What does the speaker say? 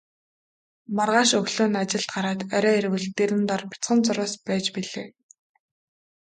Маргааш өглөө нь ажилд гараад орой ирвэл дэрэн доор бяцхан зурвас байж билээ.